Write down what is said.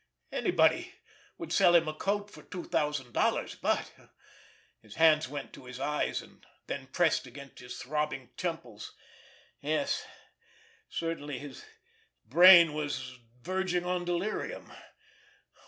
Anybody would sell him a coat for two thousand dollars, but—— His hands went to his eyes, and then pressed against his throbbing temples. Yes, certainly, his brain was verging on delirium!